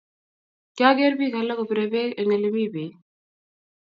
Kiager pik alak kopire bek eng lemi pek